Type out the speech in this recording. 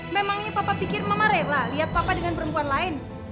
memang ini papa pikir mama rela lihat papa dengan perempuan lain